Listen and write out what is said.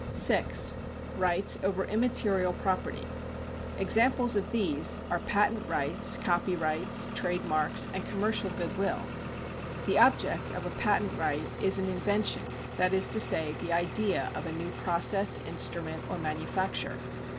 ' (6) Rights over immaterial property. — Examples of these are patent rights, copyrights, trade marks, and commercial good will. The object of a patent right is an invention, that is to say, the idea of a new process, instrument, or manufacture.